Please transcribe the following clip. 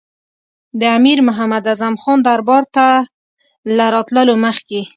د امیر محمد اعظم خان دربار ته له راتللو مخکې.